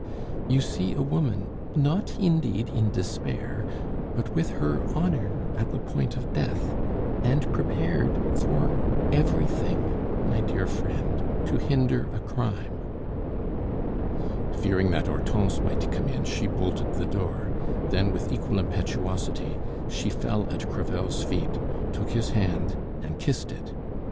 "You see a woman, not indeed in despair, but with her honor at the point of death, and prepared for everything, my dear friend, to hinder a crime." Fearing that Hortense might come in, she bolted the door; then with equal impetuosity she fell at Crevel's feet, took his hand and kissed it.